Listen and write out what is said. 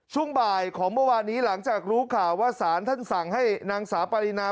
ช่วงบ่ายของเมื่อวานนี้หลังจากรู้ข่าวว่าสารท่านสั่งให้นางสาวปรินา